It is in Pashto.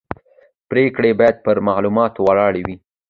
پرېکړې باید پر معلوماتو ولاړې وي